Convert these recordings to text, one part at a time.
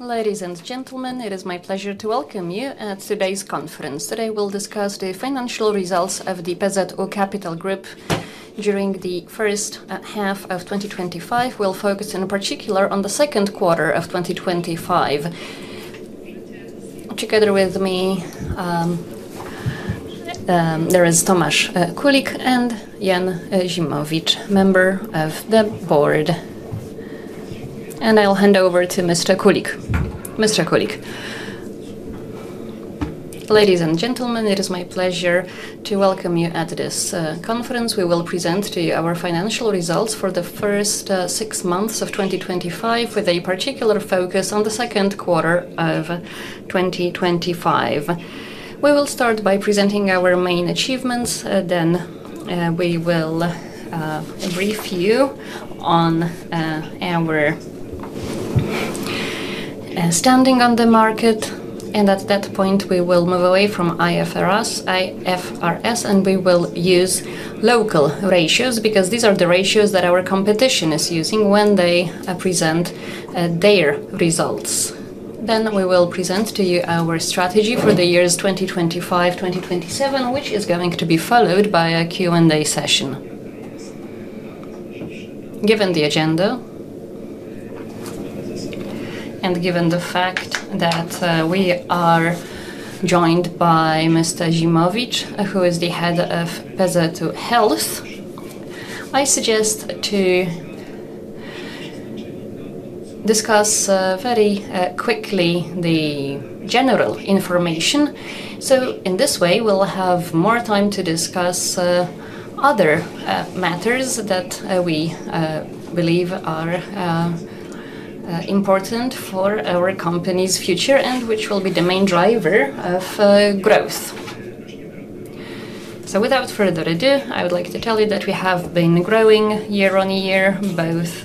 Ladies and gentlemen, it is my pleasure to welcome you at today's conference. Today, we'll discuss the financial results of the Pezzat O Capital Group during the 2025. We'll focus in particular on the 2025. Together with me, there is Tomas Kulik and Jan Jimovich, member of the Board. And I'll hand over to Mr. Kulik. Mr. Kulik. Ladies and gentlemen, it is my pleasure to welcome you at this conference. We will present to you our financial results for the first six months of twenty twenty five with a particular focus on the 2025. We will start by presenting our main achievements, then we will brief you on our standing on the market and at that point we will move away from IFRS and we will use local ratios because these are the ratios that our competition is using when they present their results. Then we will present to you our strategy for the years twenty twenty five-twenty twenty seven, which is going to be followed by a Q and A session. Given the agenda and given the fact that we are joined by Mr. Jimovich, who is the Head of Behzeto Health, I suggest to discuss very quickly the general information so in this way we'll have more time to discuss other matters that we believe are important for our company's future and which will be the main driver of growth. So without further ado, I would like to tell you that we have been growing year on year, both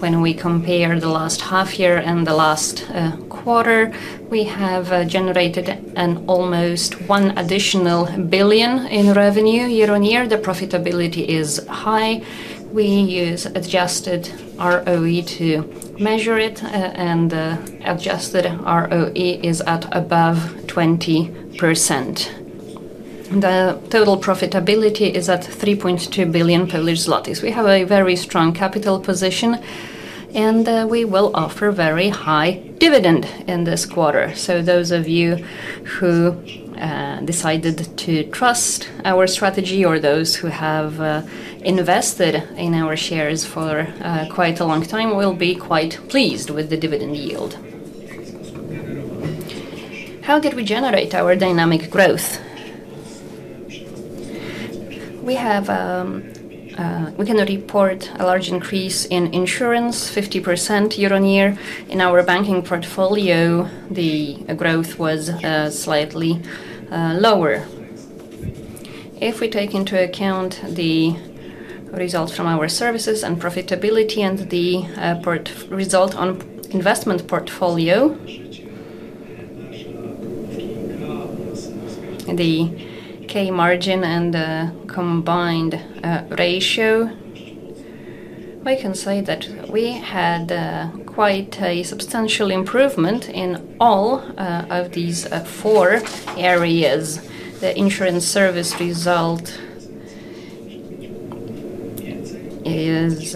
when we compare the last half year and the last quarter. We have generated an almost 1 additional billion in revenue year on year. The profitability is high. We use adjusted ROE to measure it, and adjusted ROE is at above 20%. The total profitability is 3,200,000,000.0 Polish zlotys. We have a very strong capital position, and we will offer very high dividend in this quarter. So those of you who decided to trust our strategy or those who have invested in our shares for quite a long time will be quite pleased with the dividend yield. How did we generate our dynamic growth? We have we can report a large increase in insurance, 50% year on year. In our banking portfolio, the growth was slightly lower. If we take into account the results from our services and profitability and the result on investment portfolio, the K margin and the combined ratio, we can say that we had quite a substantial improvement in all of these four areas. The insurance service result is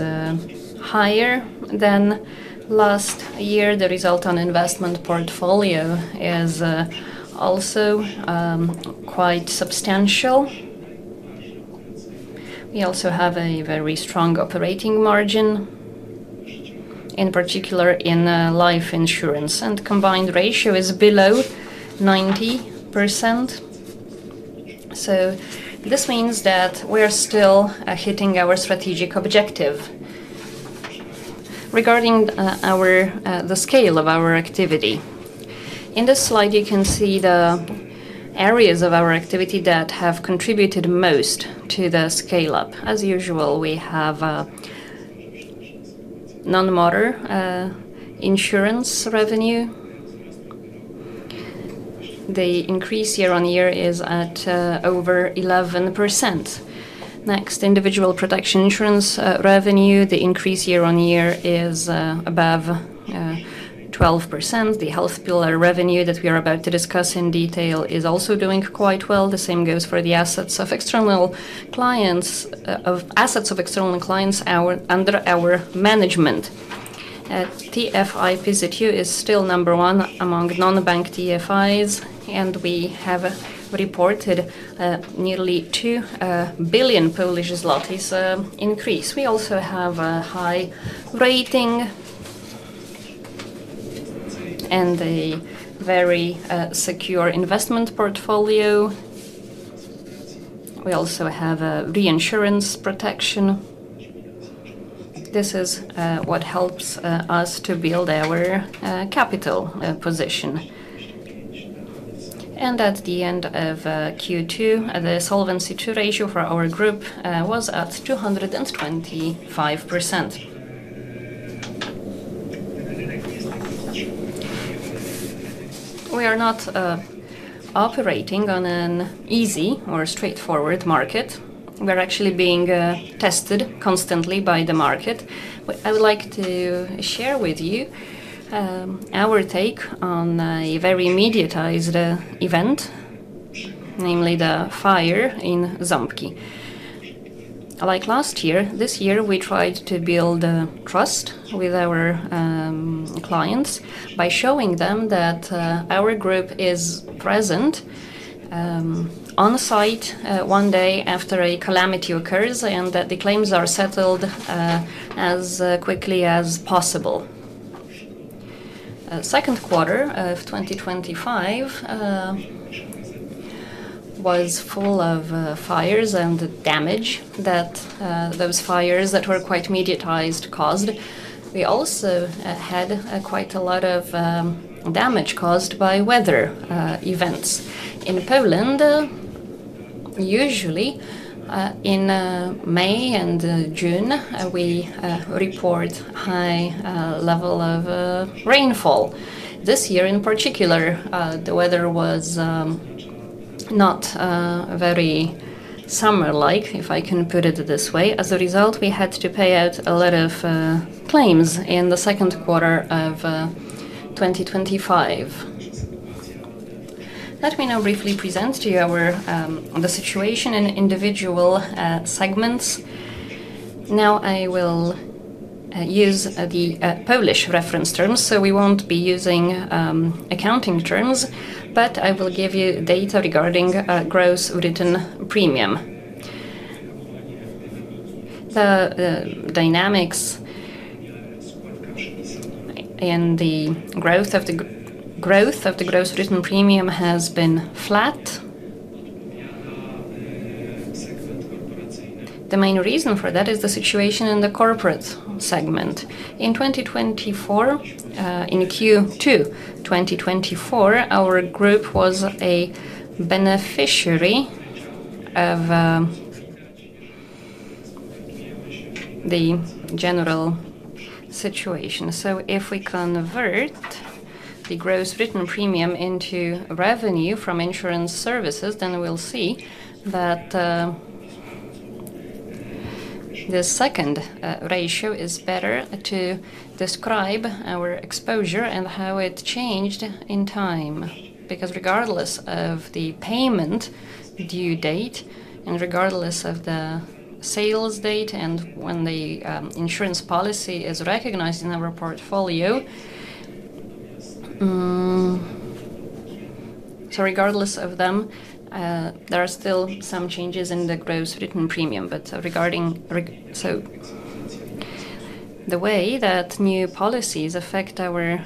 higher than last year. The result on investment portfolio is also quite substantial. We also have a very strong operating margin, in particular in life insurance. And combined ratio is below 90%. So this means that we are still hitting our strategic objective. Regarding our the scale of our activity. In this slide, you can see the areas of our activity that have contributed most to the scale up. As usual, we have non motor insurance revenue. The increase year on year is at over 11%. Next, individual protection insurance revenue, the increase year on year is above 12%. The health pillar revenue that we are about to discuss in detail is also doing quite well. The same goes for the assets of external clients under our management. TFI PZ2 is still number one among nonbank TFIs, and we have reported nearly 2,000,000,000 increase. We also have a high rating and a very secure investment portfolio. We also have reinsurance protection. This is what helps us to build our capital position. And at the end of Q2, the Solvency II ratio for our group was at 225%. We are not operating on an easy or straightforward market. We're actually being tested constantly by the market. I would like to share with you our take on a very mediatized event, namely the fire in Zampky. Like last year, this year, we tried to build trust with our clients by showing them that our group is present on-site one day after a calamity occurs and that the claims are settled as quickly as possible. 2025 was full of fires and damage that those fires that were quite mediatized caused. We also had quite a lot of damage caused by weather events. In Poland, usually in May and June we report high level of rainfall. This year in particular the weather was not very summer like, if I can put it this way. As a result, we had to pay out a lot of claims in the 2025. Let me now briefly present to you our the situation in individual segments. Now I will use the Polish reference terms, so we won't be using accounting terms, but I will give you data regarding gross written premium. The dynamics in the growth of the gross written premium has been flat. The main reason for that is the situation in the corporate segment. In 2024, in Q2 twenty twenty four, our group was a beneficiary of the general situation. So if we convert the gross written premium into revenue from insurance services, then we'll see that the second ratio is better to describe our exposure and how it changed in time. Because regardless of the payment due date and regardless of the sales date and when the insurance policy is recognized in our portfolio. So regardless of them, are still some changes in the gross written premium. But regarding the way that new policies affect our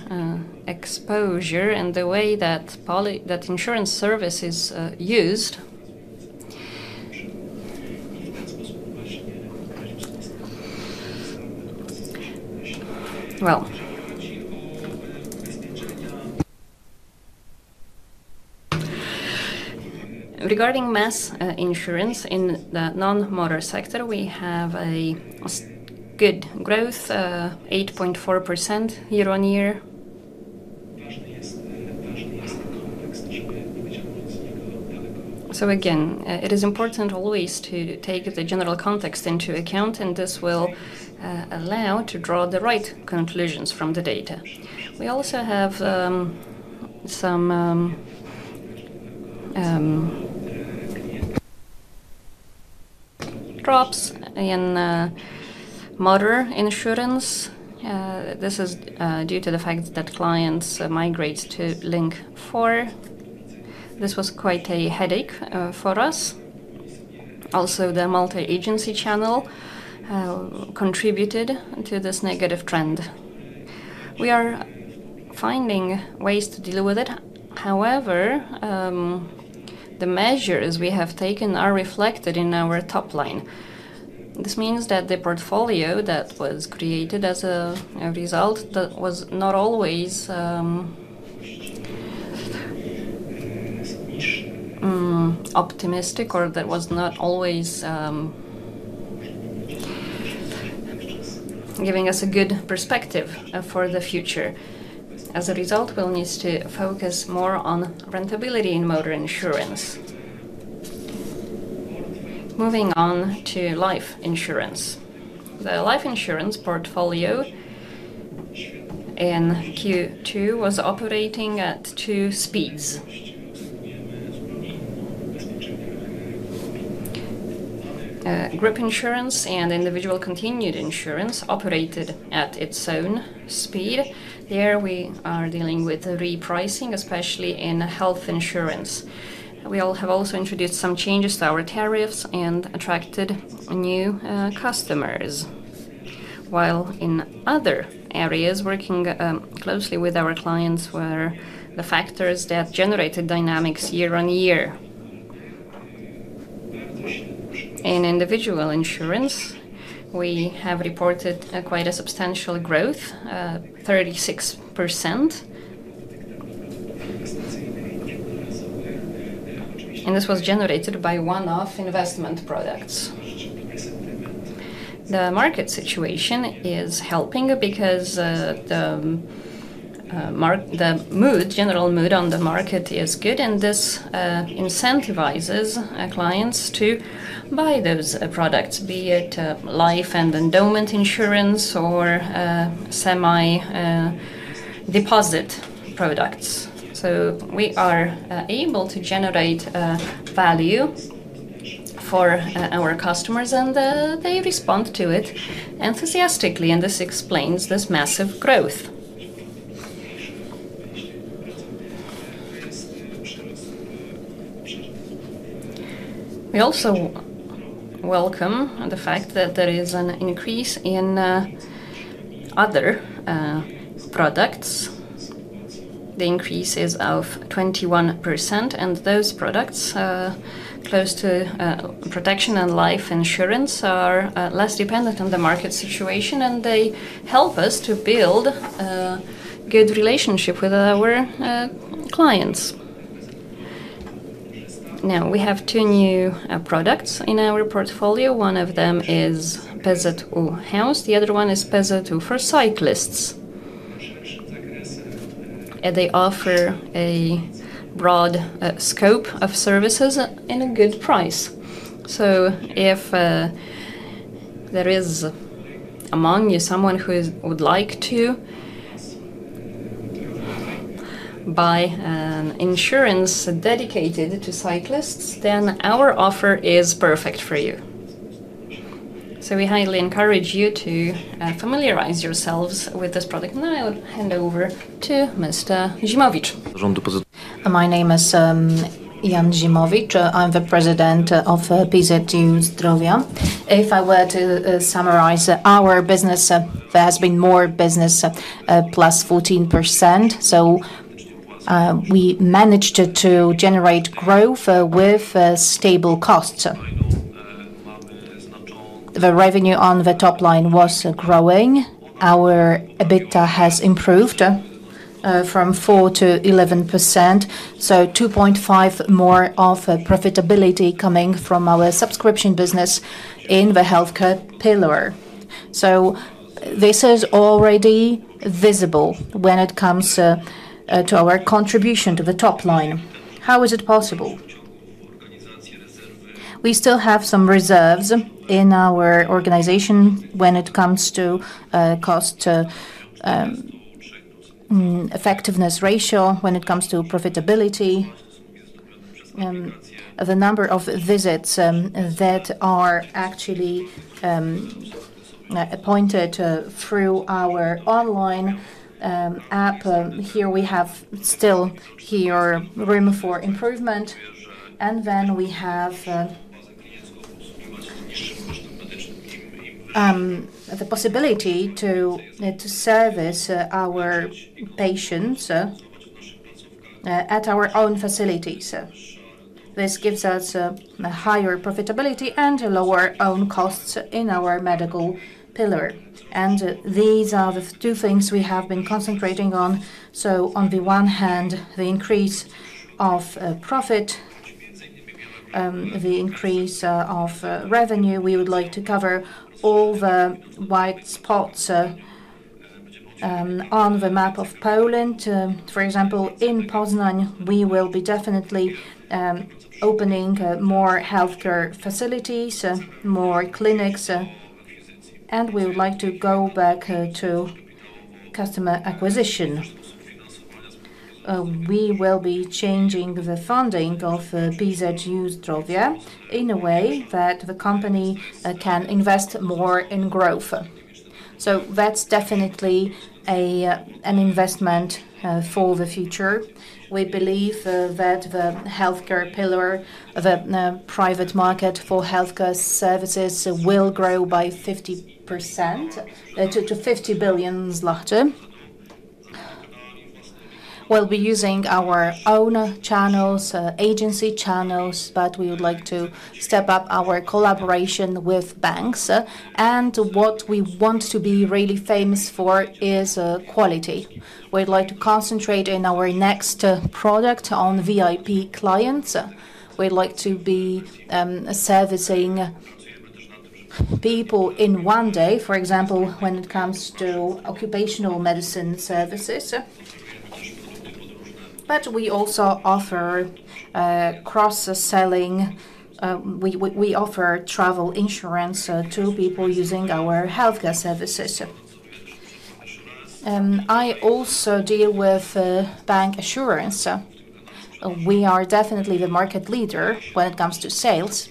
exposure and the way that insurance service is used. Well, Regarding mass insurance in the non motor sector, we have a good growth of 8.4% year on year. So again, it is important always to take the general context into account and this will allow to draw the right conclusions from the data. We also have some drops in motor insurance. This is due to the fact that clients migrate to Link four. This was quite a headache for us. Also, the multi agency channel contributed to this negative trend. We are finding ways to deal with it. However, the measures we have taken are reflected in our top line. This means that the portfolio that was created as a result was not always was not always giving us a good perspective for the future. As a result, we'll need to focus more on rentability in motor insurance. Moving on to life insurance. The life insurance portfolio in Q2 Q2 was operating at two speeds. Group insurance and individual continued insurance operated at its own speed. There we are dealing with repricing, especially in health insurance. We have also introduced some changes to our tariffs and attracted new customers, while in other areas working closely with our clients were the factors that generated dynamics year on year. In individual insurance, we have reported quite a substantial growth, 36%. And this was generated by one off investment products. The market situation is helping because the general mood on the market is good and this incentivizes clients to buy those products, be it life and endowment insurance or semi deposit products. So we are able to generate value for our customers and they respond to it enthusiastically, this explains this massive growth. We also welcome the fact that there is an increase in other products. The increase is of 21% and those products close to protection and life insurance are less dependent on the market situation and they help us to build a good relationship with our clients. Now we have two new products in our portfolio. One of them is House, the other one is Pezatu for cyclists. And they offer a broad scope of services and a good price. So if there is among you someone who would like to buy an insurance the the very pleased the My name is Jan Jimovich. I'm the President of BZ2 Stravia. If I were to summarize our business, there has been more business, plus 14%. So we managed to generate growth with stable costs. The revenue on the top line was growing. Our EBITDA has improved from four percent to 11%, so 2.5% more of profitability coming from our subscription business in the health care pillar. So this is already visible when it comes to our contribution to the top line. How is it possible? We still have some reserves in our organization when it comes to cost effectiveness ratio, when it comes to profitability, the number of visits that are actually appointed through our online app. Here, we have still here room for improvement. And then we have the possibility to service our patients at our own facilities. This gives us a higher profitability and lower own costs in our medical pillar. And these are the two things we have been concentrating on. So on the one hand, the increase of profit, the increase of revenue, we would like to cover all the white spots on the map of Poland. For example, in Poznan, we will be definitely opening more health facilities, more clinics, and we would like to go back to customer acquisition. We will be changing the funding of PZU Strovia in a way that the company can invest more in growth. So that's definitely an investment for the future. We believe that the health pillar of the private market for health care services will grow by 50% to 50,000,000,000 zloty. We'll be using our own channels, agency channels, but we would like to step up our collaboration with banks. And what we want to be really famous for is quality. We'd like to concentrate in our next product on VIP clients. We'd like to be servicing people in one day, for example, when it comes to occupational medicine services. But we also offer cross selling we offer travel insurance to people using our health care services. And I also deal with bank assurance. We are definitely the market leader when it comes to sales.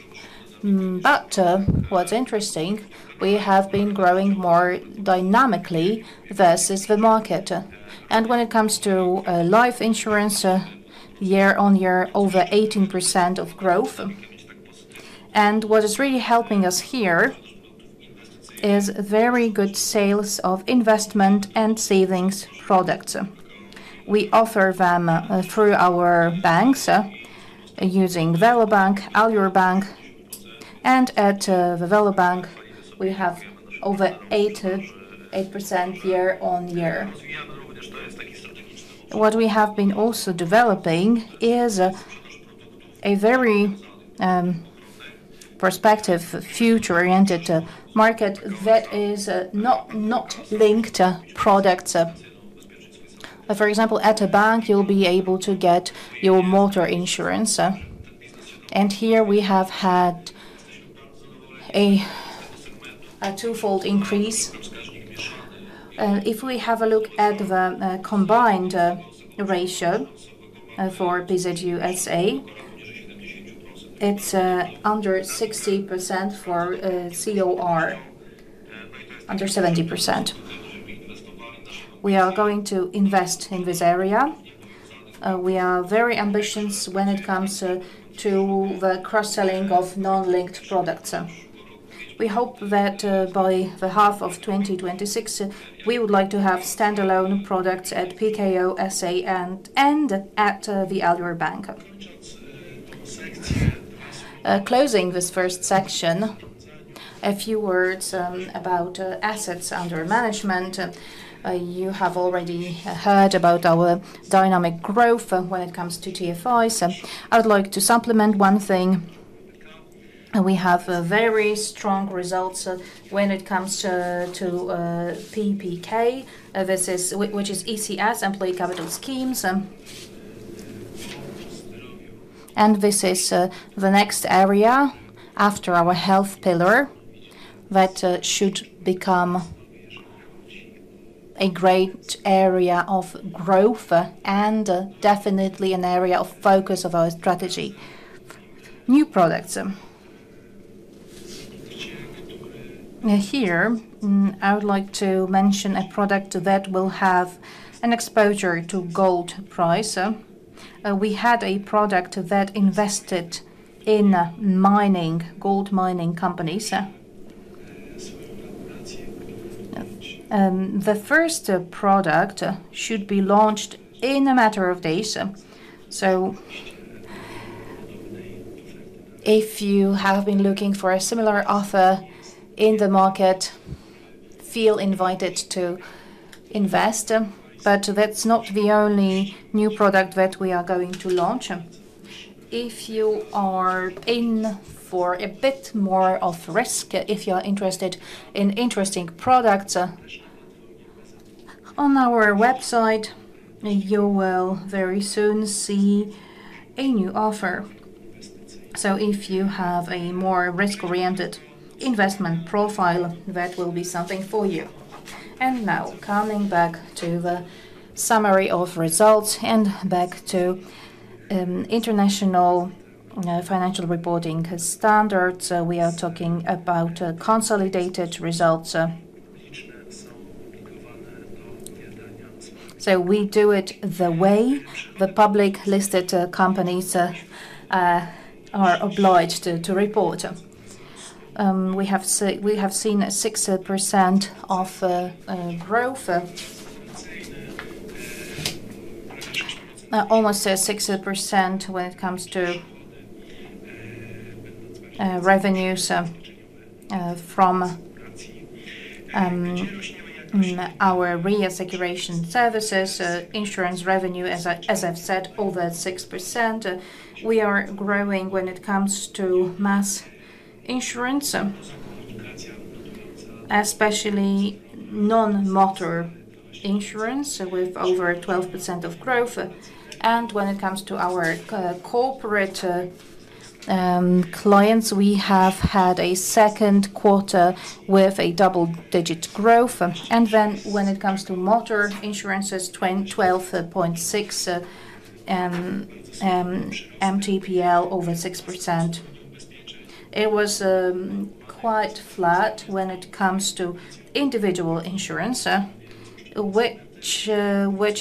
But what's interesting, we have been growing more dynamically versus the market. And when it comes to life insurance, year on year, over 18% of growth. And what is really helping us here is very good sales of investment and savings products. We offer them through our banks using Velobank, Alurbank. And at Velobank, we have over 8% year on year. What we have been also developing is a very prospective future oriented market that is not linked products. For example, at a bank, you will be able to get your motor insurance. And here, we have had a twofold increase. If we have a look at the combined ratio for PZUSA, it's under 60% for COR, under 70%. We are going to invest in this area. We are very ambitious when it comes to the cross selling of non linked products. We hope that by the 2026, we would like to have stand alone products at PKOSAN and at the Algorand Bank. Closing this first section, a few words about assets under management. You have already heard about our dynamic growth when it comes to TFIs. I would like to supplement one thing. We have very strong results when it comes to PPK, which is ECS, Employee Capital Schemes. And this is the next area after our health pillar that should become a great area of growth and definitely an area of focus of our strategy. New products. Here, I would like to mention a product that will have an exposure to gold price. We had a product that invested in mining, gold mining companies. The first product should be launched in a matter of days. So if you have been looking for a similar offer in the market, feel invited to invest. But that's not the only new product that we are going to launch. If you are in for a bit more of risk, if you are interested in interesting products, on our website, you will very soon see a new offer. So if you have a more risk oriented investment profile, that will be something for you. And now coming back to the summary of results and back to international financial reporting standards. We are talking about consolidated results. So we do it the way the public listed companies are obliged to report. We have seen 6% of growth, almost 6% when it comes to revenues from our reascuration services, insurance revenue, as I've said, over 6%. We are growing when it comes to mass insurance, especially non motor insurance with over 12% of growth. And when it comes to our corporate clients, we have had a second quarter with a double digit growth. And then when it comes to motor insurances, 12.6% MTPL over 6%. It was quite flat when it comes to individual insurance, which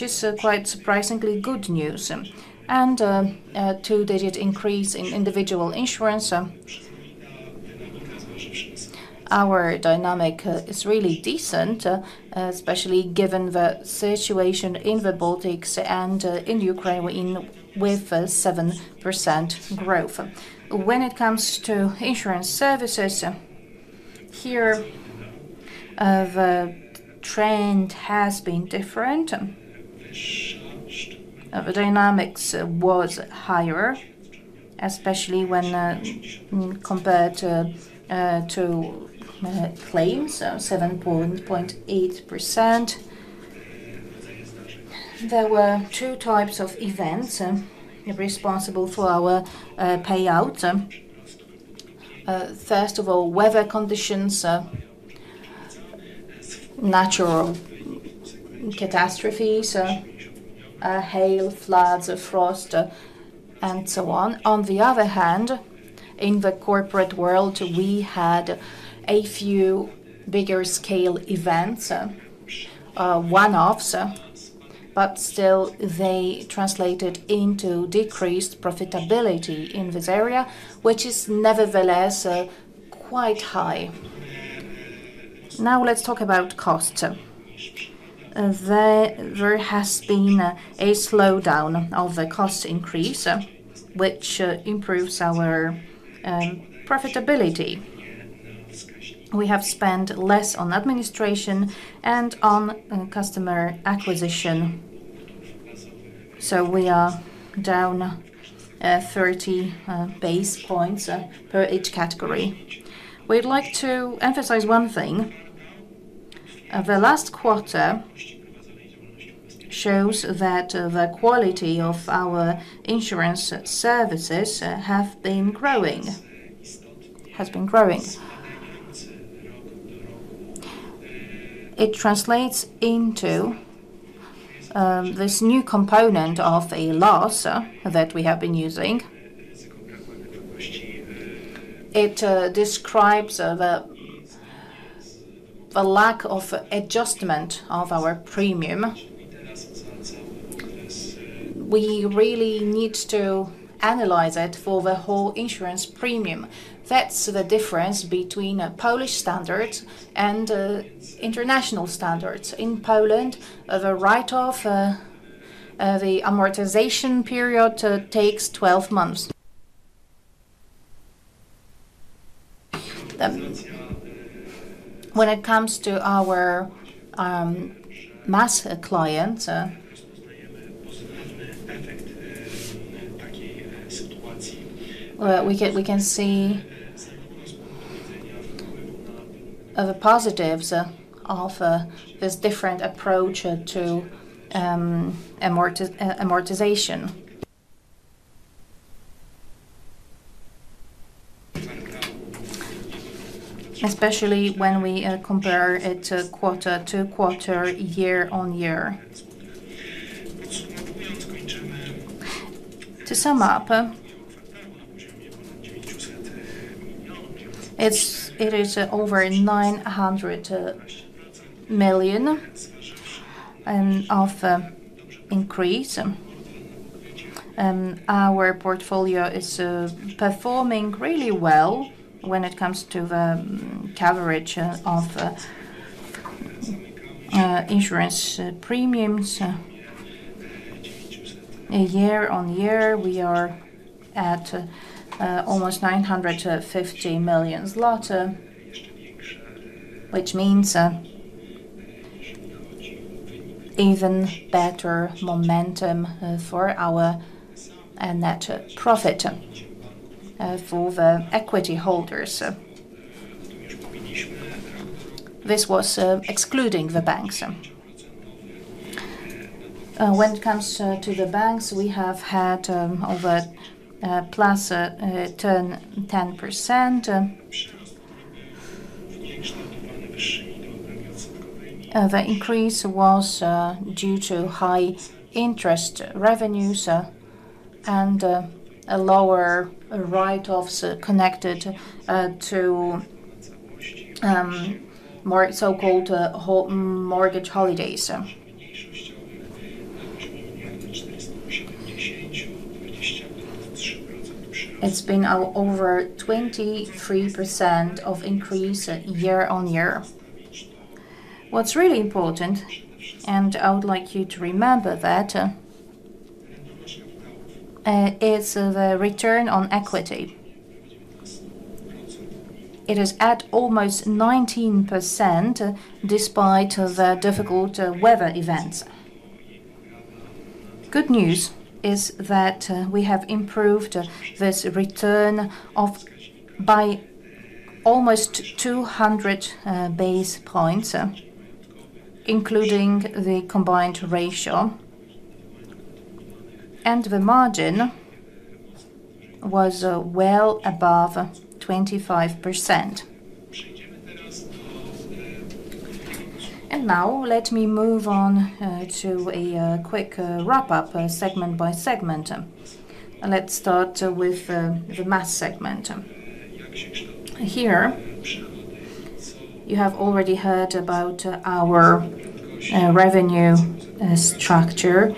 is quite surprisingly good news. And a two digit increase in individual insurance, Our dynamic is really decent, especially given the situation in The Baltics and in Ukraine with 7% growth. When it comes to insurance services, here the trend has been different. The dynamics was higher, especially when compared to claims, 7.8%. There were two types of events responsible for our payout. First of all, weather conditions, natural catastrophes, hail, floods, frost and so on. On the other hand, in the corporate world, we had a few bigger scale events, one offs, but still they translated into decreased profitability in this area, which is nevertheless quite high. Now let's talk about cost. There has been a slowdown of the cost increase, which improves our profitability. We have spent less on administration and on customer acquisition. So we are down 30 basis points per each category. We'd like to emphasize one thing. The last quarter shows that the quality of our insurance services It translates into this new component of a loss that we have been using. It describes the lack of adjustment of our premium. We really need to analyze it for the whole insurance premium. That's the difference between Polish standards and international standards. In Poland, the write off of the amortization period takes twelve months. When it comes to our mass clients, We can see the positives of this different approach to amortisation. Especially when we compare it quarter to quarter year on year. To sum up, it is over 900,000,000 of increase. Our portfolio is performing really well when it comes to the coverage of insurance premiums. Year on year, we are at almost million, which means even better momentum for our net profit for the equity holders. Excluding the banks. When it comes to the banks, we have had over plus 10%. The increase was due to high interest revenues and lower write offs connected to more so called mortgage holidays. It's been over 23% of increase year on year. What's really important, and I would like you to remember that, is the return on equity. It is at almost 19% despite the difficult weather events. Good news is that we have improved this return of by almost 200 basis points, including the combined ratio. And the margin was well above 25%. And now let me move on to a quick wrap segment by segment. Let's start with the mass segment. Here, you have already heard about our revenue structure.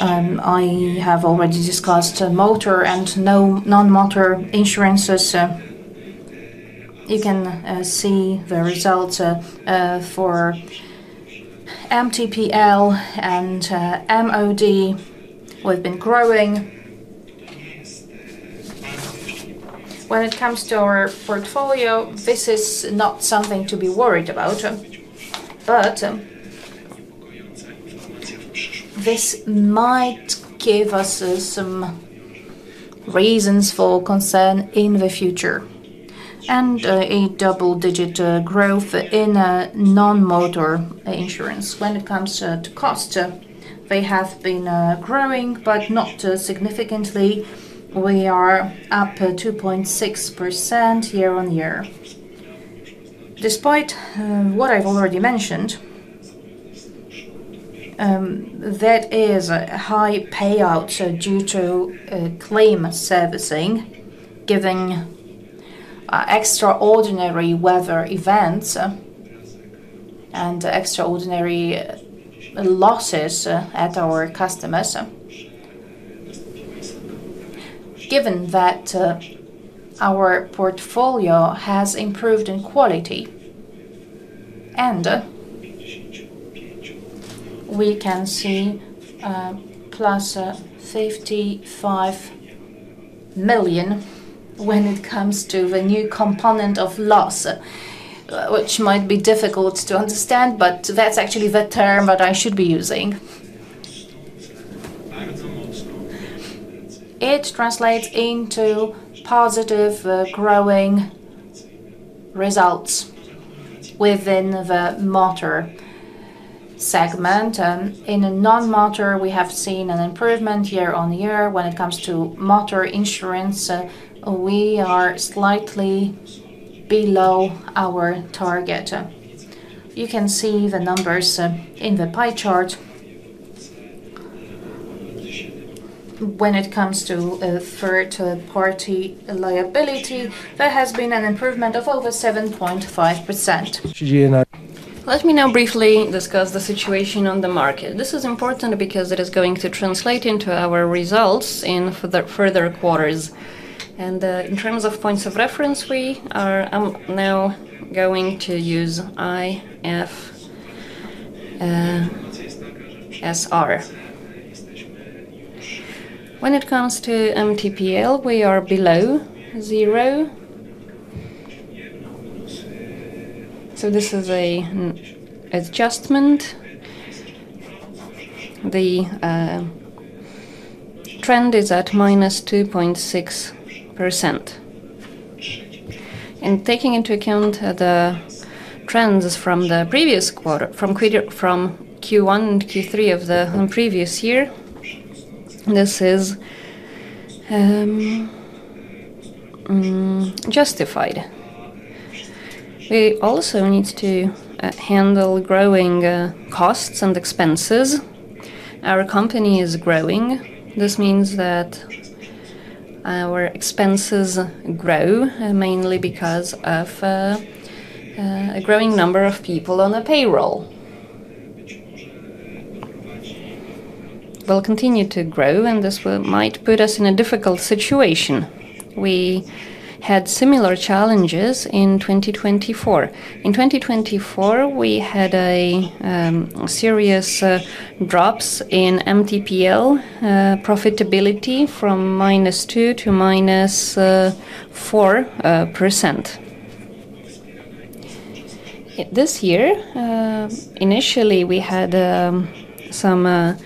I have already discussed motor and non motor insurances. Can see the results for MTPL and MOD. Have been growing. When it comes to our portfolio, this is not something to be worried about. But this might give us some reasons for concern in the future and a double digit growth in non motor insurance. When it comes to cost, they have been growing but not significantly. We are up 2.6% year on year. Despite what I've already mentioned, there is a high payout due to claim servicing, giving extraordinary weather events and extraordinary losses at our customers, given that our portfolio has improved in quality. And we can see plus 55,000,000 when it comes to the new component of loss, which might be difficult to understand, but that's actually the term that I should be using. It translates into positive growing results within the motor segment. In the non motor, we have seen an improvement year on year. When it comes to motor insurance, we are slightly below our target. You can see the numbers in the pie chart. When it comes to third party liability, there has been an improvement of over 7.5%. Let me now briefly discuss the situation on the market. This is important because it is going to translate into our results in further quarters. And in terms of points of reference, we are now going to use IFSR. When it comes to MTPL, we are below zero. So this is an adjustment. The trend is at minus 2.6%. And taking into account the trends from the previous quarter from Q1 and Q3 of the previous year, this is justified. We also need to handle growing costs and expenses. Our company is growing. This means that our expenses grow mainly because of a growing number of people on the payroll. Will continue to grow, and this might put us in a difficult situation. We had similar challenges in 2024. In 2024, we had a serious drops in MTPL profitability from minus 2% to minus 4%. This year, initially, we had some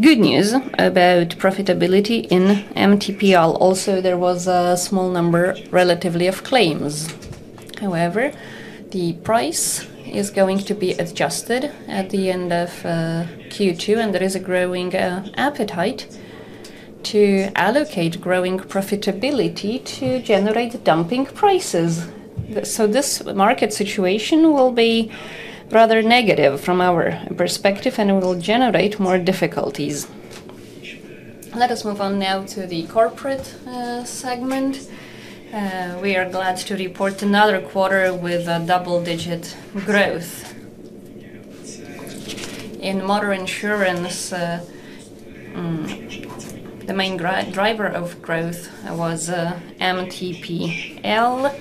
good news about profitability in MTPL. Also, was a small number relatively of claims. However, the price is going to be adjusted at the end of Q2, and there is a growing appetite to allocate growing profitability to generate dumping prices. So this market situation will be rather negative from our perspective, and it will generate more difficulties. Let us move on now to the corporate segment. We are glad to report another quarter with double digit growth. In motor insurance, the main driver of growth was MTPL.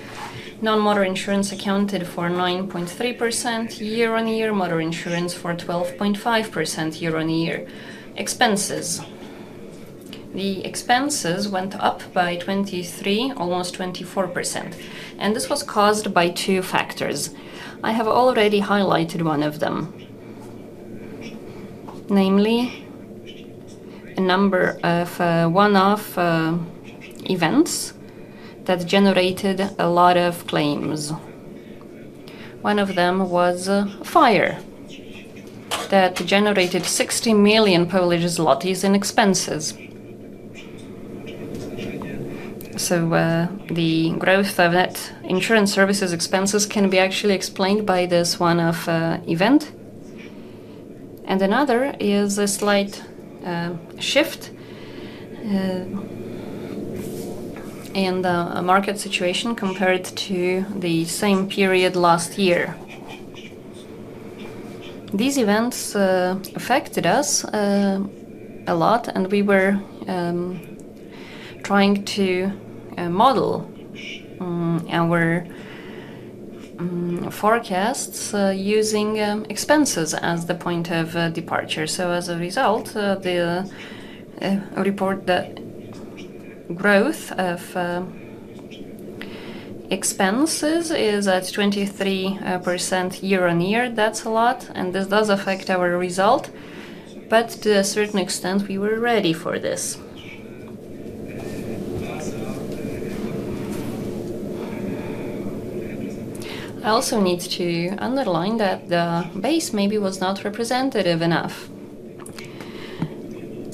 Non motor insurance accounted for 9.3% year on year, motor insurance for 12.5% year on year. Expenses. The expenses went up by 23, almost 24%, and this was caused by two factors. I have already highlighted one of them, namely a number of one off events that generated a lot of claims. One of them was a fire that generated 60,000,000 Polish zlotys in expenses. So the growth of that insurance services can be actually explained by this one off event. And another is a slight shift in the market situation compared to the same period last year. These events affected us a lot and we were trying to model our forecasts using expenses as the point of departure. So as a result, the report that growth of expenses is at 23% year on year. That's a lot and this does affect our result. But to a certain extent we were ready for this. I also need to underline that the base maybe was not representative enough.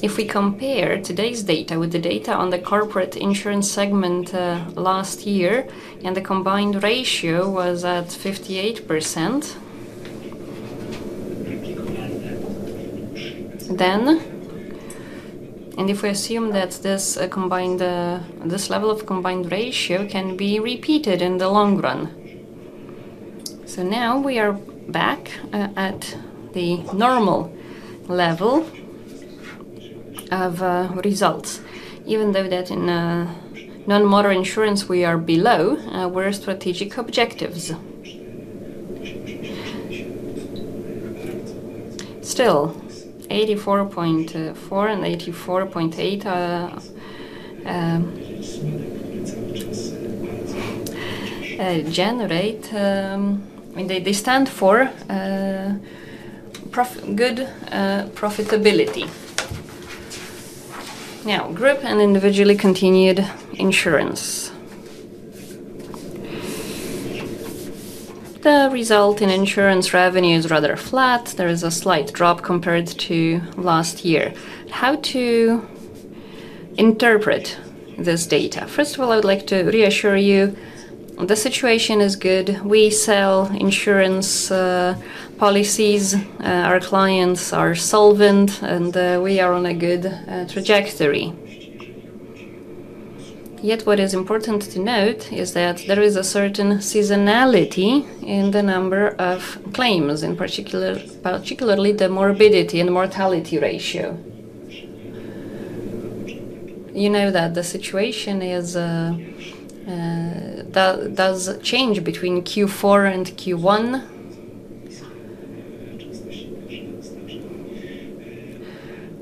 If we compare today's data with the data on the corporate insurance segment last year and the combined ratio was at 58%, then and if we assume that this this level of combined ratio can be repeated in the long run. So now we are back at the normal level of results. Even though that in non motor insurance we are below, we are strategic objectives. Still, eighty four point four and eighty four point eight generate, I mean, they stand for good profitability. Now, group and individually continued insurance. The result in insurance revenue is rather flat. There is a slight drop compared to last year. How to interpret this data? First of all, would like to reassure you the situation is good. We sell insurance policies. Our clients are solvent, and we are on a good trajectory. Yet what is important to note is that there is a certain seasonality in the number of claims, in particular the morbidity and mortality ratio. You know that the situation does change between Q4 and Q1.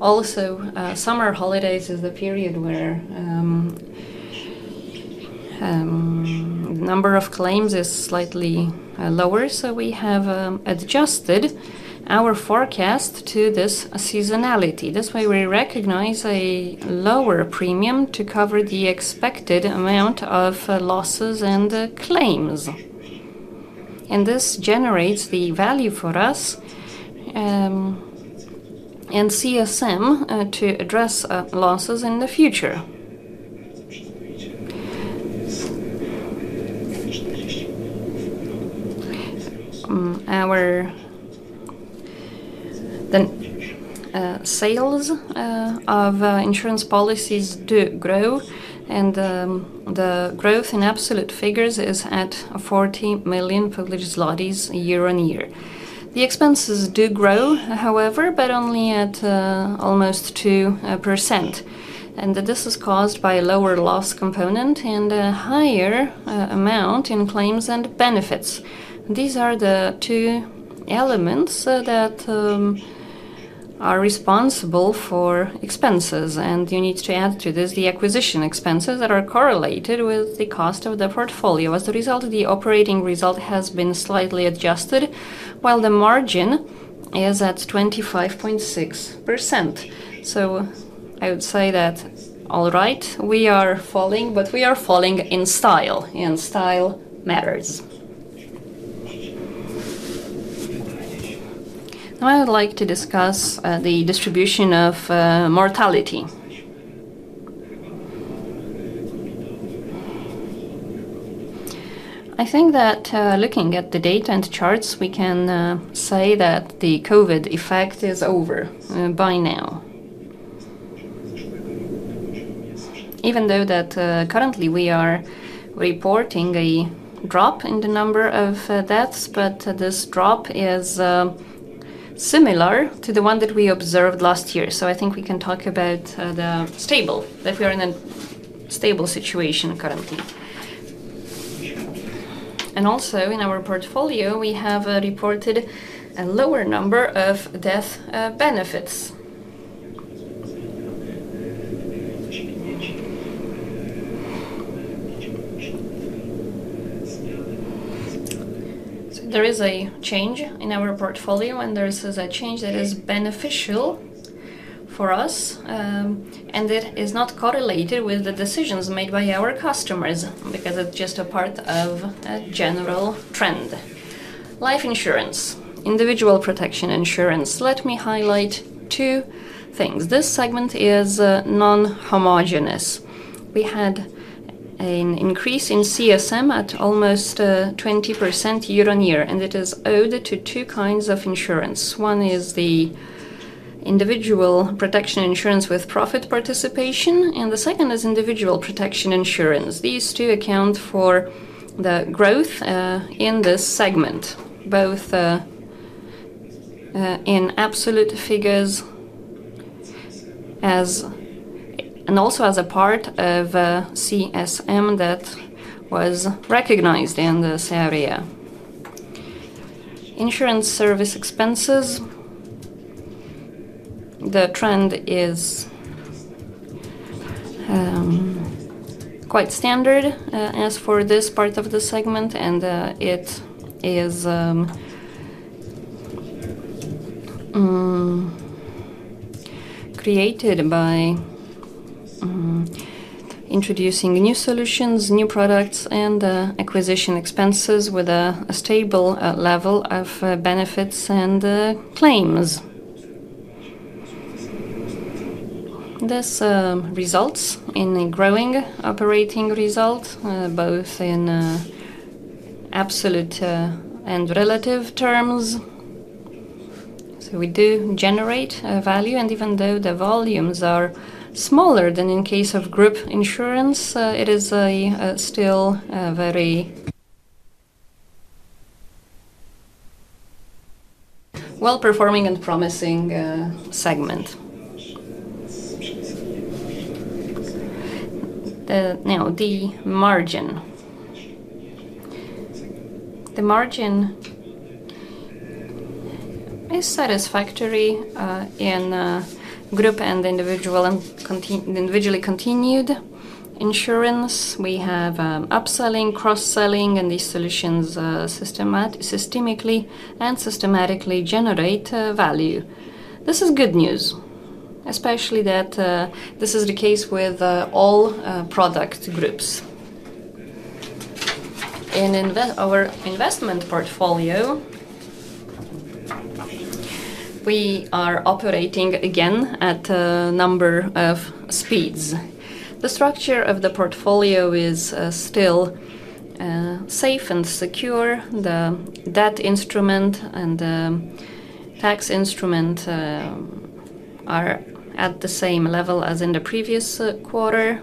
Also, summer holidays is the period where number of claims is slightly lower, so we have adjusted our forecast to this seasonality. This way, we recognize a lower premium to cover the expected amount of losses and claims. And this generates the value for us in CSM to address losses in the future. Sales of insurance policies do grow, and the growth in absolute figures is at 40,000,000 Polish zlotys year on year. The expenses do grow, however, but only at almost 2%. And this is caused by a lower loss component and a higher amount in claims and benefits. These are the two elements that are responsible for expenses, and you need to add to this the acquisition expenses that are correlated with the cost of the portfolio. As a result, the operating result has been slightly adjusted, while the margin is at 25.6%. So I would say that alright, we are falling, but we are falling in style, and style matters. Now I would like to discuss the distribution of mortality. I think that, looking at the data and charts, we can, say that the COVID effect is over, by now. Even though that, currently we are reporting a drop in the number of deaths, but this drop is similar to the one that we observed last year. So I think we can talk about the stable, that we are in a stable situation currently. And also in our portfolio, we have reported a lower number of death benefits. There is a change in our portfolio and there is a change that is beneficial for us and that is not correlated with the decisions made by our customers because it's just a part of a general trend. Life insurance, individual protection insurance. Let me highlight two things. This segment is non homogenous. We had an increase in CSM at almost 20% year on year and it is owed to two kinds of insurance. One is the individual protection insurance with profit participation and the second is individual protection insurance. These two account for the growth in this segment, both in absolute figures and also as a part of CSM that was recognised in this area. Insurance service expenses. The trend is quite standard as for this part of the segment and it is created by introducing new solutions, new products and acquisition expenses with a stable level of benefits and claims. This results in a growing operating result, both in absolute and relative terms. So we do generate value. Even though the volumes are smaller than in case of group insurance, it is still very well performing and promising segment. Margin. The margin is satisfactory in group and individually continued insurance. We have upselling, cross selling and these solutions systemically and systematically generate value. This is good news, especially that this is the case with all product groups. In our investment portfolio, we are operating again at a number of speeds. The structure of the portfolio is still safe and secure. The debt instrument and tax instrument are at the same level as in the previous quarter.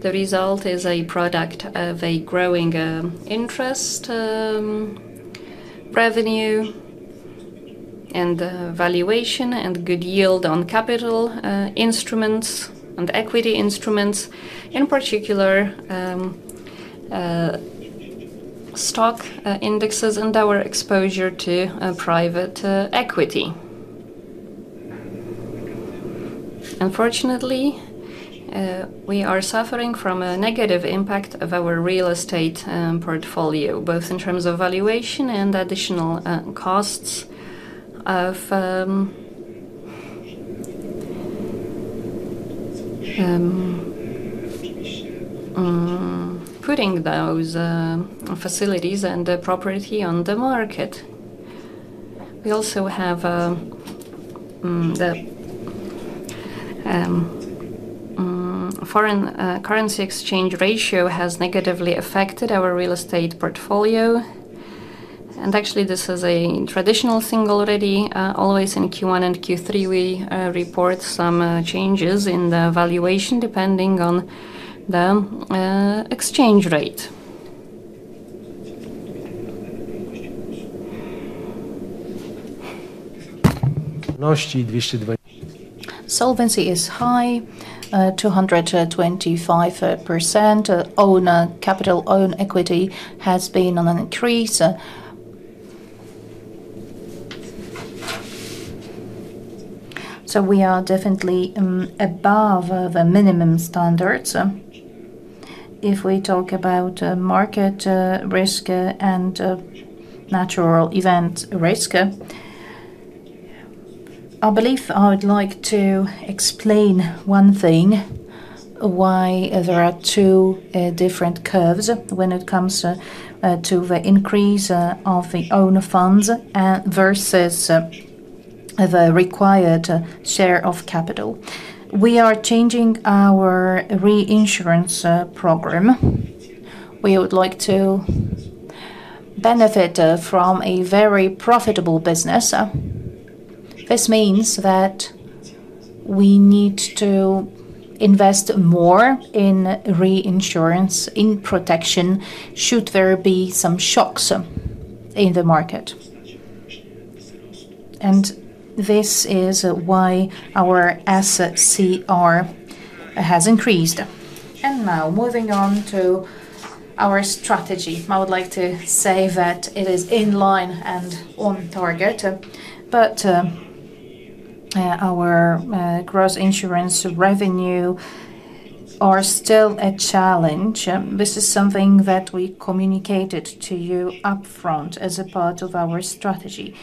The result is a product of a growing interest revenue and valuation and good yield on capital instruments and equity instruments, in particular stock indexes and our exposure to private our real estate portfolio, both in terms of valuation and additional costs of putting those facilities and the property on the market. We also have the foreign currency exchange ratio has negatively affected our real estate portfolio. And actually, this is a traditional thing already. Always in Q1 and Q3, we report some changes in the valuation depending on the exchange rate. Solvency is high, 225%. Owner capital own equity has been on an increase. So we are definitely above the minimum standards. If we talk about market risk and natural event risk, I believe I would like to explain one thing, why there are two different curves when it comes to the increase of the owner funds versus the required share of capital. We are changing our reinsurance program. We would like to benefit from a very profitable business. This means that we need to invest more in reinsurance in protection should there be some shocks market. And this is why our strategy. I would like to say that it is in line and on target. But our gross insurance revenue are still a challenge. This is something that we communicated to you upfront as a part of our strategy.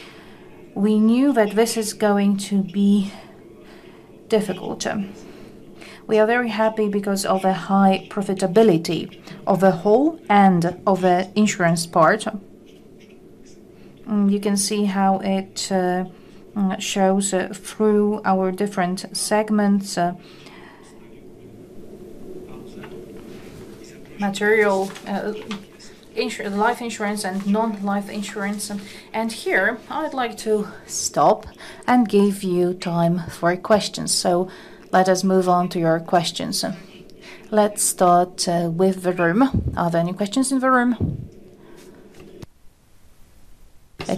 We knew that this is going to be difficult. We are very happy because of the high profitability of the whole and of the insurance part. You can see how it shows through our different segments, material life insurance and nonlife insurance. Here, I'd like to stop and give you time for questions. So let us move on to your questions. Let's start with the room. Are there any questions in the room?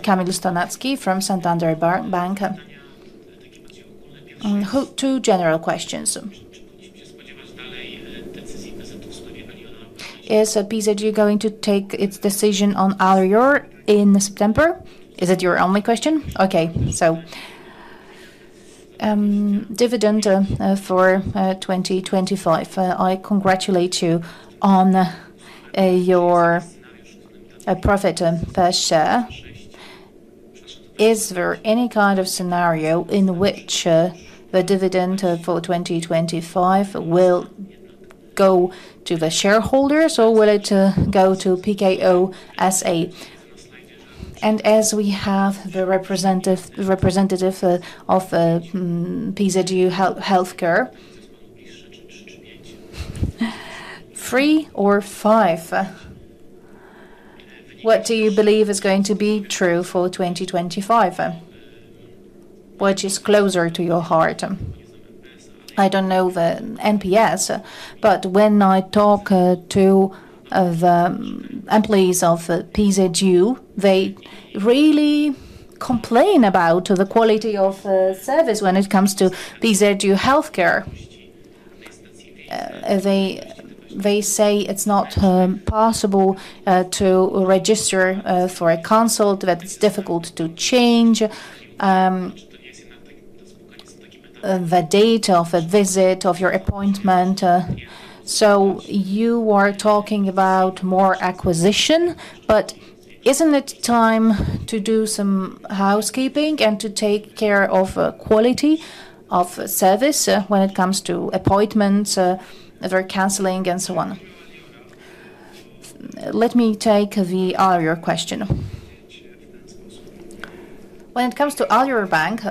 Kami Dostanatsky from Santander Bank. Two general questions. Is PSEG going to take its decision on Alior in September? Is that your only question? Okay. So dividend for 2025, I congratulate you on your profit per share. Is there any kind of scenario in which the dividend for 2025 will go to the shareholders or will it go to PKO SA? And as we have the representative of PZU Healthcare, Three or five, what do you believe is going to be true for 2025? What is closer to your heart? I don't know the NPS, but when I talk to employees of PZU, they really complain about the quality of service when it comes to Pizetto Healthcare. They say it's not possible to register for a consult, that it's difficult to change the date of a visit, of your appointment. So you are talking about more acquisition. But isn't it time to do some house housekeeping and to take care of quality of service when it comes to appointments, other canceling and so on? Let me take question. When it comes to Aliorbank,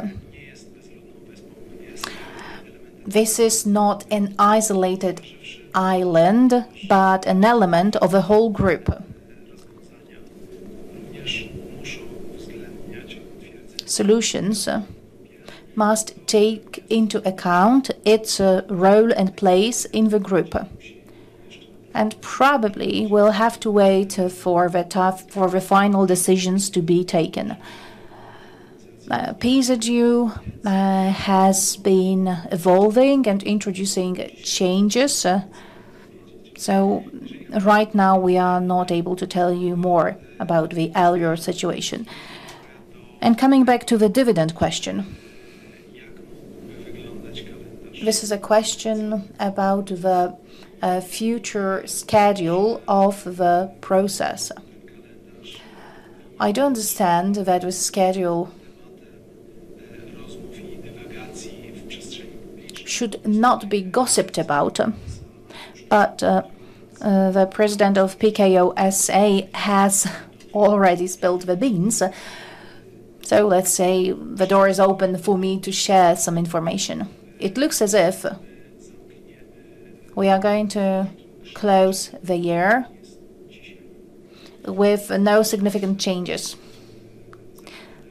this is not an isolated island but an element of a whole group. Solutions must take into account its role and place in the group. And probably, we'll have to wait for the final decisions to be taken. Pizajou has been evolving and introducing changes. So right now, we are not able to tell you more about the earlier situation. And coming back to the dividend question. This is a question about the future schedule of the process. I do understand that the schedule should not be gossiped about. But the president of PKOSA has already spilled the beans. So let's say the door is open for me to share some information. It looks as if we are going to close the year with no significant changes.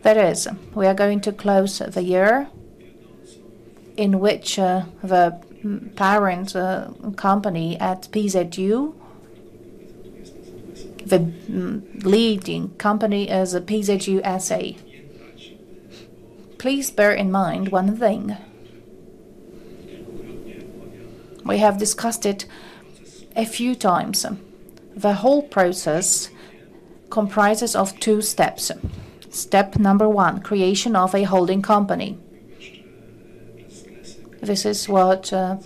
That is, we are going to close the year in which the parent company at PZU, the leading company is PZU SA. Please bear in mind one thing. We have discussed it a few times. The whole process comprises of two steps. Step number one, creation of a holding company. This is what CEO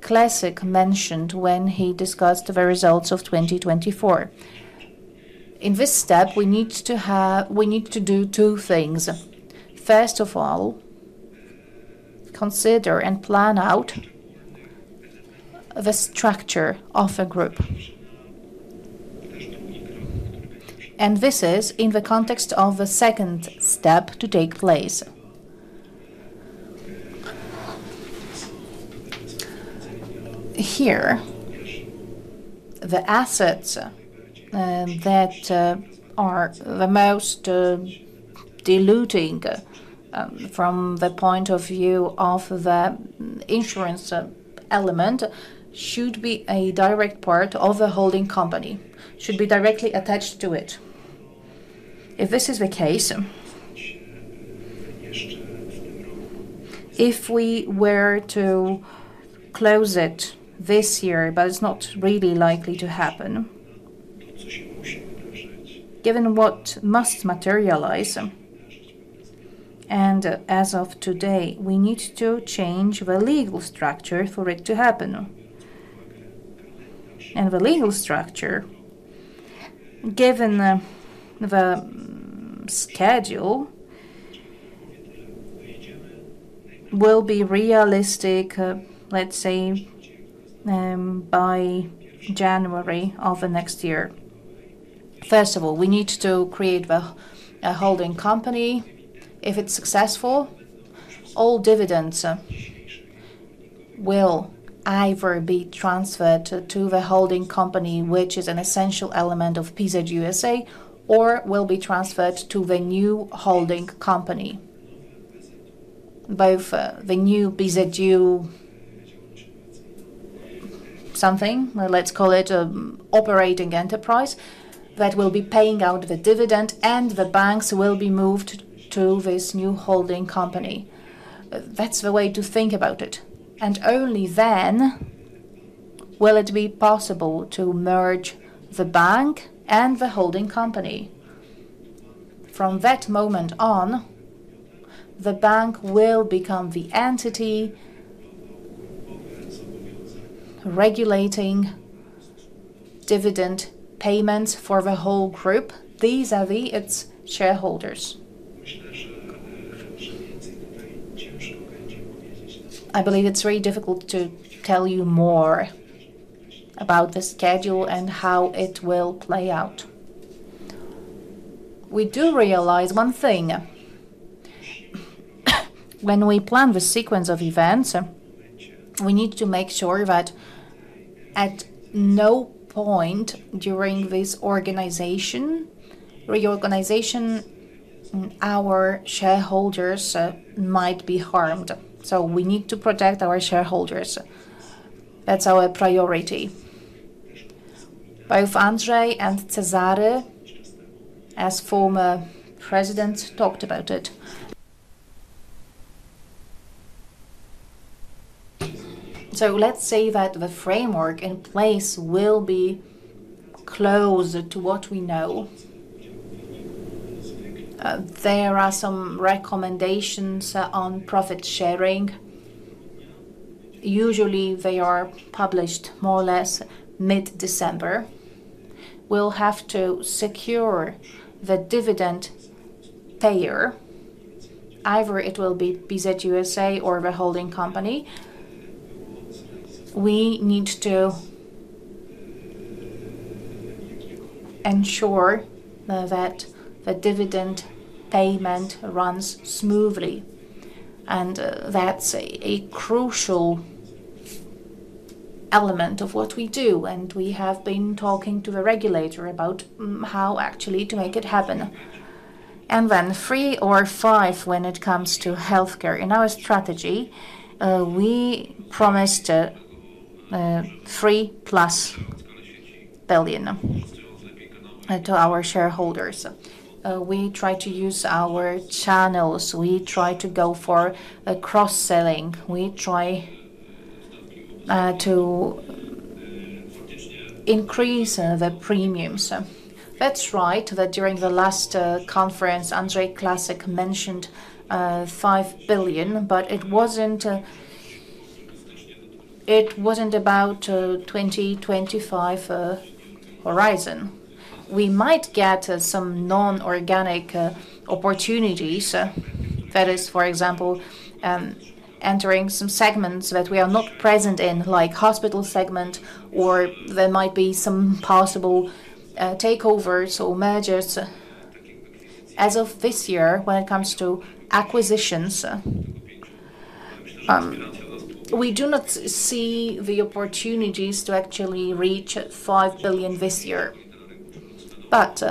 Klasik mentioned when he discussed the results of 2024. In this step, we need to do two things. First of all, consider and plan out the structure of the group. And this is in the context of the second step to take place. Here, the assets that are the most diluting from the point of view of the insurance element should be a direct part of the holding company, should be directly attached to it. If this is the case, if we were to close it this year but it's not really likely to happen, given what must materialise And as of today, we need to change the legal structure for it to happen. And the legal structure, given the schedule, will be realistic, let's say, by January of the next year. First of all, we need to create a holding company. If it's successful, all dividends will either be transferred to the holding company, which is an essential element of PZUSA or will be transferred to the new holding company. Both the new PZU something, let's call it operating enterprise, that will be paying out the dividend and the banks will be moved to this new holding company. That's the way to think about it. And only then will it be possible to merge the bank and the holding company? From that moment on, the bank will become the entity regulating dividend payments for the whole group vis a vis its shareholders. I believe it's very difficult to tell you more about the schedule and how it will play out. We do realize one thing. When we plan the sequence of events, need to make sure that at no point during this organization reorganization, our shareholders might be harmed. So we need to protect our shareholders. That's our priority. Both Andrei and Cesare, as former presidents, talked about it. So let's say that the framework in place will be close to what we know. There are some recommendations on profit sharing. Usually, they are published more or less mid December. We'll have to secure the dividend payer, either it will be BZ USA or the holding company. We need to ensure that the dividend payment runs smoothly. And that's a crucial element of what we do. And we have been talking to the regulator about how actually to make it happen. And then three or five when it comes to health care. In our strategy, we promised three plus to our shareholders. We try to use our channels. We try to go for cross selling. We try to increase the premiums. That's right that during the last conference, Andrei Classic mentioned mentioned 5,000,000,000, but it about $20.25 horizon. We might get some nonorganic opportunities. That is, for example, entering some segments that we are not present in, like hospital segment or there might be some possible takeovers or mergers. As of this year, when it comes to acquisitions, we do not see the opportunities to actually reach 5,000,000,000 this year. But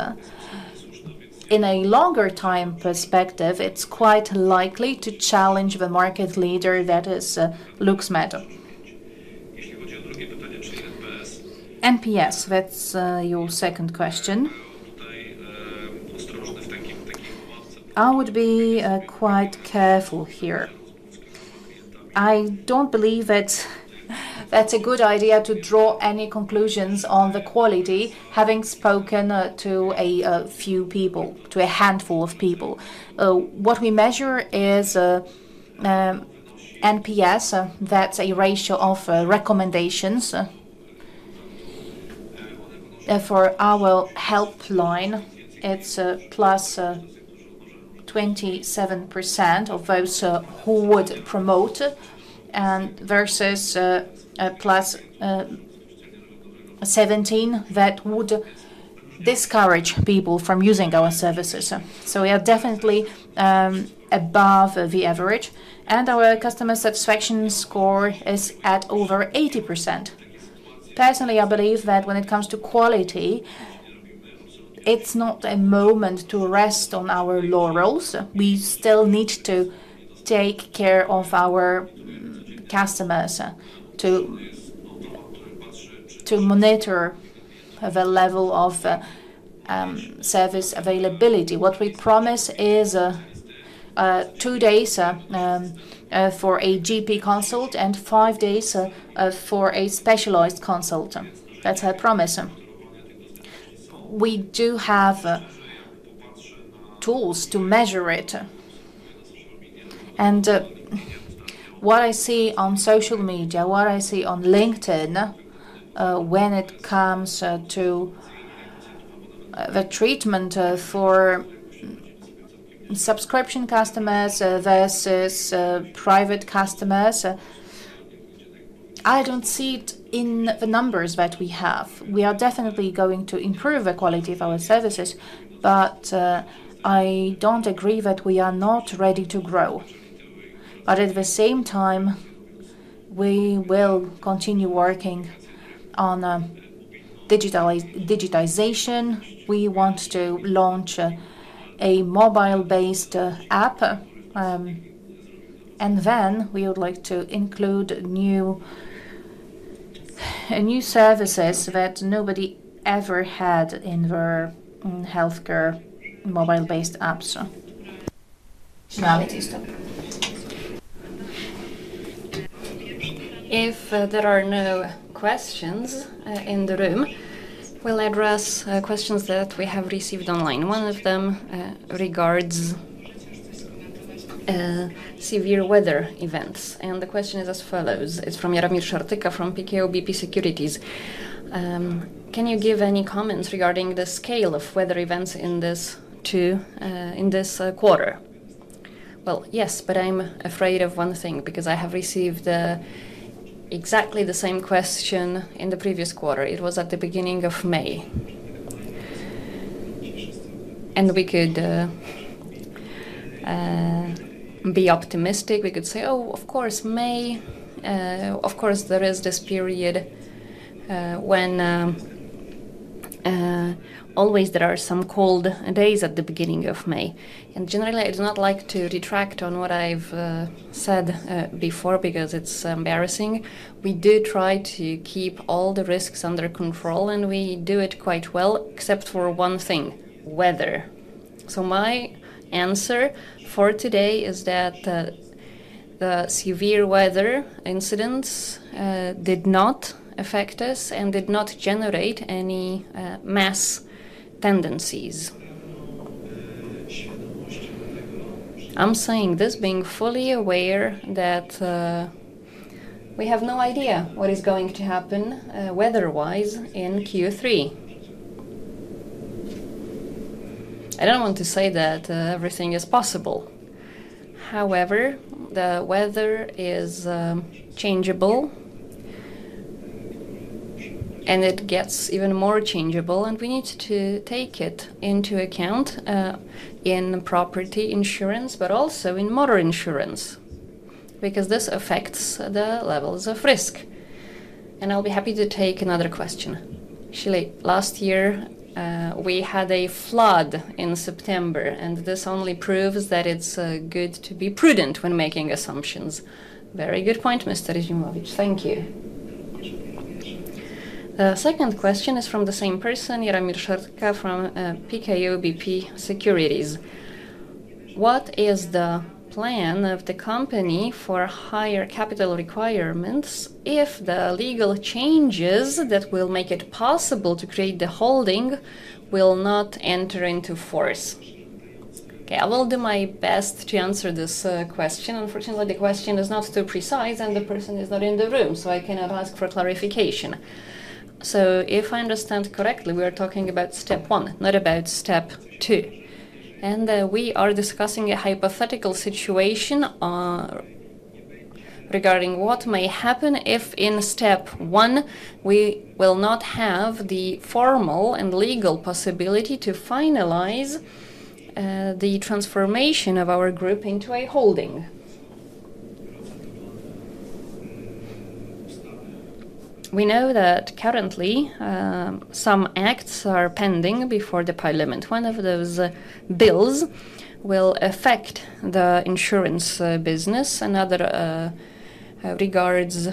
in a longer time perspective, it's quite likely to challenge the market leader that is Luxemed. NPS, that's your second second question. I would be quite careful here. I don't believe that that's a good idea to draw any conclusions on the quality having spoken to a few people, to a handful of people. What we measure is NPS, that's a ratio of recommendations. For our helpline, it's plus 27% of those who would promote versus plus 17% that would discourage people from using our services. So we are definitely above the average. And our customer satisfaction score is at over 80%. Personally, I believe that when it comes to quality, it's not a moment to rest on our laurels. We still need to take care of our customers to monitor the level of service availability. What we promise is two days for a GP consult and five days for a specialized consult. That's our promise. We do have tools to measure it. And what I see on social media, what I see on LinkedIn, when it comes to the treatment for subscription customers versus private customers, I don't see it in the numbers that we have. We are definitely going to improve the quality of our services, but I don't agree that we are not ready to grow. But at the same time, we will continue working on digitization. We want to launch a mobile based app. And then we would like to include new new services that nobody ever had in their health care mobile based apps. If there are no questions in the room, we'll address questions that we have received online. One of them regards severe weather events. And the question is as follows. It's from Yaramir Shartika from PKO BP Securities. Can you give any comments regarding the scale of weather events in this two in this quarter? Well, yes. But I'm afraid of one thing because I have received exactly the same question in the previous quarter. It was at the May. And we could be optimistic. We could say, oh, of course, May. Of course, there is this period when always there are some cold days at the May. And, generally, I do not like to detract on what I've said before because it's embarrassing. We do try to keep all the risks under control, we do it quite well except for one thing, weather. So my answer for today is that the severe weather incidents, did not affect us and did not generate any mass tendencies. I'm saying this being fully aware that we have no idea what is going to happen weather wise in q three. I don't want to say that everything is possible. However, the weather is changeable and it gets even more changeable and we need to take it into account in property insurance but also in motor insurance because this affects the levels of risk. And I'll be happy to take another question. Actually, last year, we had a flood in September, and this only proves that it's good to be prudent when making assumptions. Very good point, mister Rezymovich. Thank you. Second question is from the same person, Yramir Sharka from PKO BP Securities. What is the plan of the company for higher capital requirements if the legal changes that will make it possible to create the holding will not enter into force? K. Will I do my best to answer this question. Unfortunately, the question is not too precise and the person is not in the room, so I cannot ask for clarification. So if I understand correctly, we are talking about step one, not about step two. And we are discussing hypothetical situation regarding what may happen if in step one we will not have the formal and legal possibility to finalize the transformation of our group into a holding. We know that currently some acts are pending before the parliament. One of those insurance business. Another regards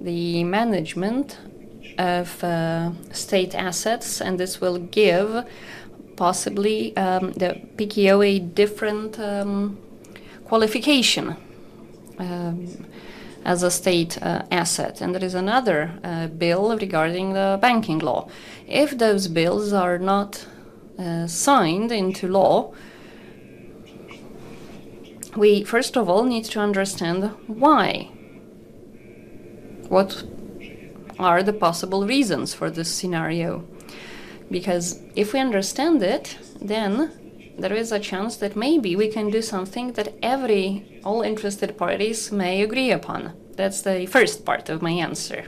the management of state assets, and this will give possibly PTO a different qualification as a state asset. And there is another bill regarding the banking law. If those bills are not signed into law, we first of all need to understand why. What are the possible reasons for this scenario? Because if we understand it, then there is a chance that maybe we can do something that every all interested parties may agree upon. That's the first part of my answer.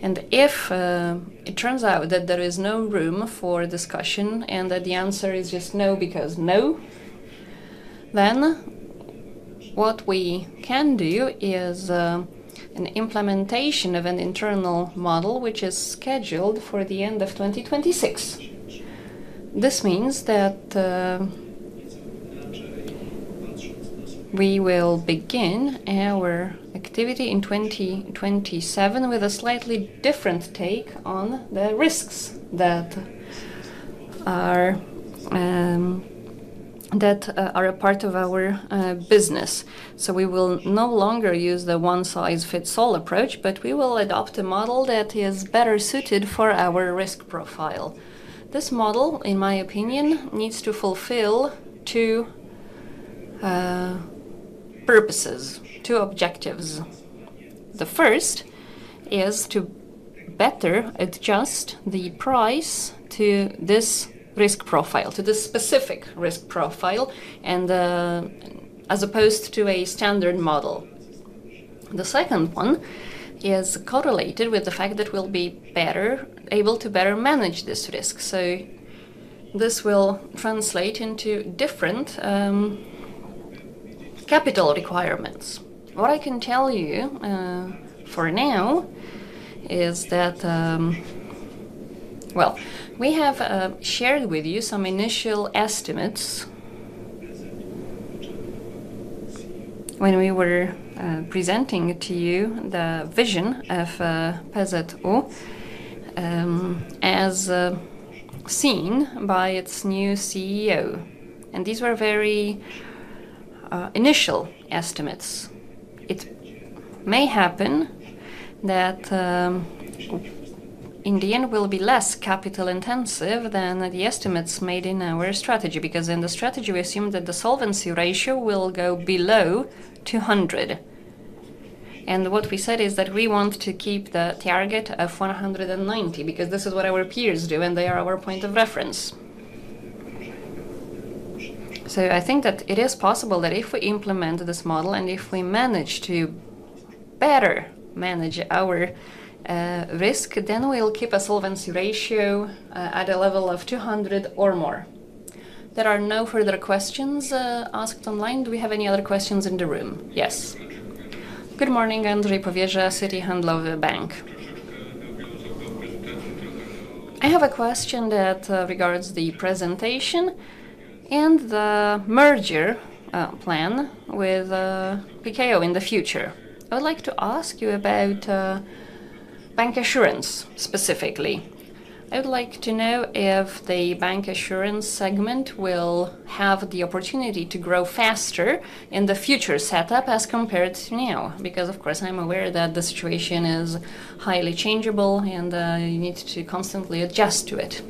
And if it turns out that there is no room for discussion and that the answer is just no because no, then what we can do is an implementation of an internal model which is scheduled for the 2026. This means that we will begin our activity in 2027 with a slightly different take on the risks that are a part of our business. So we will no longer use the one size fits all approach, but we will adopt a model that is better suited for our risk profile. This model, in my opinion, needs to fulfill two purposes, two objectives. The first is to better adjust the price to this risk profile, to this specific risk profile and as opposed to a standard model. The second one is correlated with the fact that we'll be able to better manage this risk. So this will translate into different capital requirements. What I can tell you for now is that well, we have shared with you some initial estimates when we were presenting to you the vision of Pezzet O as seen by its new CEO. And these were very initial estimates. It may happen that in the end we will be less capital intensive than the estimates made in our strategy, because in the strategy we assume that the solvency ratio will go below 200. And what we said is that we want to keep the target of 190 because this is what our peers do and they are our point of reference. So I think that it is possible that if we implement this model and if we manage to better manage our risk, then we'll keep a solvency ratio at a level of 200 or more. There are no further questions asked online. Do we have any other questions in the room? Yes. Good morning. Andre Poveja, Citi Handlova Bank. I have a question that regards the presentation and the merger plan with PKO in the future. I would like to ask you about Bank Assurance specifically. I would like to know if the Bank Assurance segment will have the opportunity to grow faster in the future setup as compared to now because, of course, I'm aware that the situation is highly changeable and, you need to constantly adjust to it.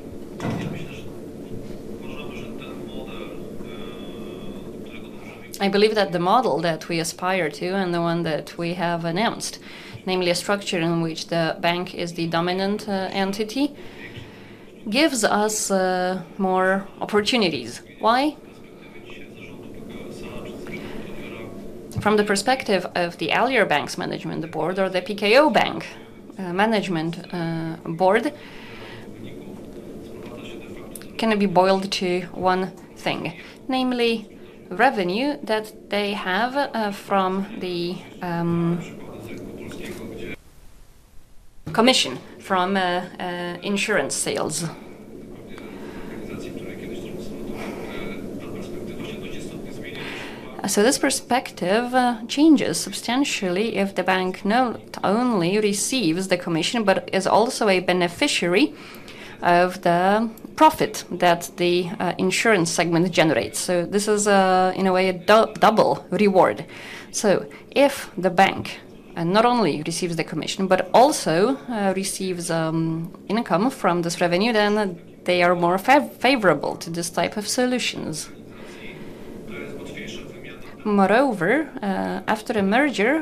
I believe that the model that we aspire to and the one that we have announced, namely a structure in which the bank is the dominant entity, gives us more opportunities. Why? From the perspective of the Alire Bank's management board or the PKO Bank management board, can be boiled to one thing, namely revenue that they have from the commission from insurance sales. So this perspective changes substantially if the bank not only receives the commission but is also a beneficiary of the profit that the insurance segment generates. So this is, in a way, a double reward. So if the bank not only receives the commission but also receives income from this revenue, then they are more favorable to this type of solutions. Moreover, after a merger,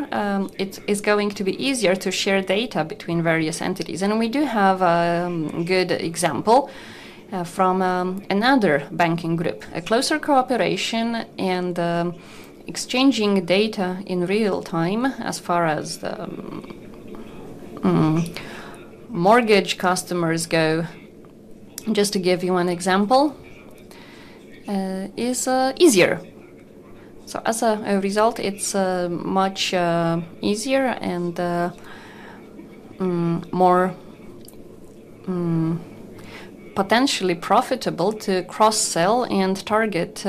it is going to be easier to share data with various entities. And we do have a good example from another banking group. A closer cooperation and exchanging data in real time as far as mortgage customers go. Just to give you an example, it's easier. So as a result, it's much easier and more potentially profitable to cross sell and target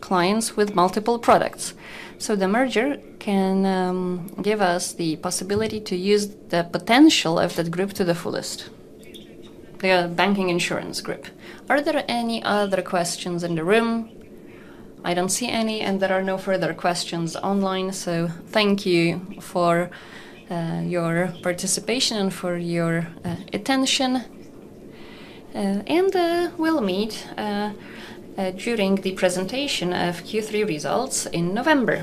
clients with multiple products. So the merger can give us the possibility to use the potential of that group to the fullest, the banking insurance group. Are there any other questions in the room? I don't see any, and there are no further online. So thank you for your participation and for your attention. And we'll meet during the presentation of Q3 results in November.